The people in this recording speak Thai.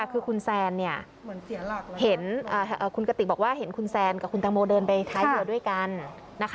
คือคุณแซนเนี่ยเห็นคุณกติกบอกว่าเห็นคุณแซนกับคุณตังโมเดินไปท้ายเรือด้วยกันนะคะ